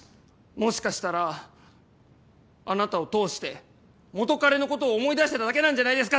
もしかしたらあなたを通して元彼のことを思い出してただけなんじゃないですか？